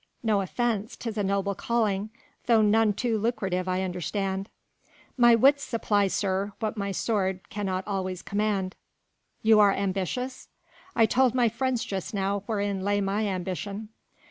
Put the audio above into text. No offence, 'tis a noble calling, though none too lucrative I understand." "My wits supply, sir, what my sword cannot always command." "You are ambitious?" "I told my friends just now wherein lay my ambition."